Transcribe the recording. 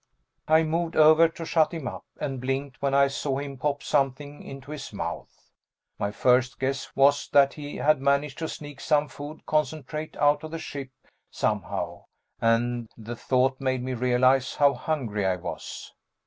I moved over to shut him up, and blinked when I saw him pop something into his mouth. My first guess was that he had managed to sneak some food concentrate out of the ship somehow, and the thought made me realize how hungry I was.